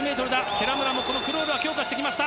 寺村もこのクロールは強化してきました。